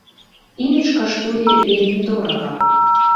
Імідж каштуе вельмі дорага.